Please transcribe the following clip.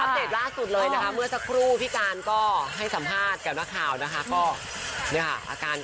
อัปเดทล่าสุดเลยนะคะเมื่อสักครู่พี่กาลก็ให้สัมภาษณ์กับหน้าข่าวนะคะ